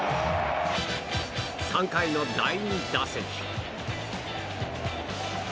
３回の第２打席。